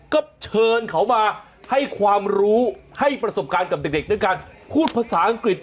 ก็เชิญเขามาให้ความรู้ให้ประสบการณ์กับเด็กด้วยการพูดภาษาอังกฤษ